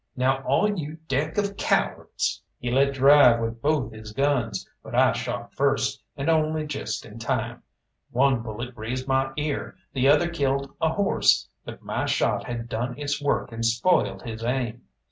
Now all you deck of cowards " He let drive with both his guns, but I shot first, and only just in time. One bullet grazed my ear, the other killed a horse; but my shot had done its work and spoiled his aim.